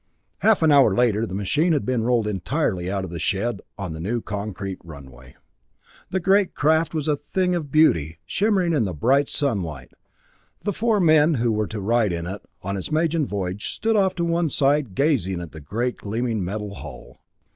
Half an hour later the machine had been rolled entirely out of the shed, on the new concrete runway. The great craft was a thing of beauty shimmering in the bright sunlight The four men who were to ride in it on its maiden voyage stood off to one side gazing at the great gleaming metal hull.